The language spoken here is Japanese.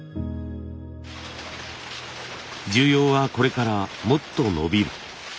需要はこれからもっと伸びる。